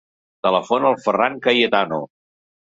Telefona al Ferran Cayetano.